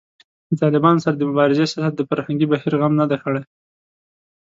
د طالبانو سره د مبارزې سیاست د فرهنګي بهیر غم نه دی کړی